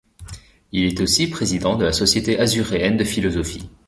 Il est aussi président de la Société azuréenne de philosophie.